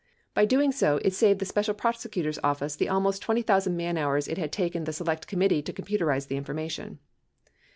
By doing so, it saved the Special Prosecutor's Office the almost 20,000 man hours it had taken the Select Committee to computerize the information.